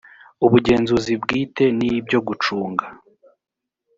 ubugenzuzi bwite n ibyo gucunga